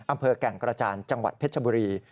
อำเภอแก่งกระจานจังหวัดเพชรบุรี